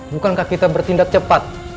bukankah kita bertindak cepat